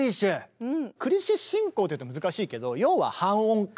クリシェ進行って言うと難しいけど要は半音階。